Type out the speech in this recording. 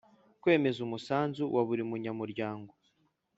Kwemeza umusanzu wa buri munyamuryango